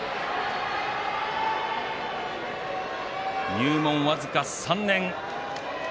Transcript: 入門、僅か３年。